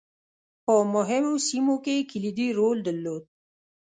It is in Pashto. په مهمو سیمو کې یې کلیدي رول درلود.